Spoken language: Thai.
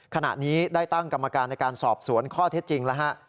ขณะนี้ได้ตั้งกรรมการในการสอบสวนข้อเท็จจริงแล้วฮะ